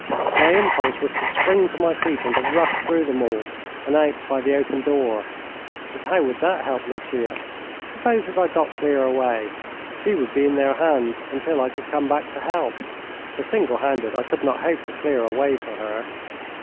My impulse was to spring to my feet and to rush through them all and out by the open door. But how would that help Lucia? Suppose that I got clear away, she would be in their hands until I could come back with help, for single handed I could not hope to clear a way for her.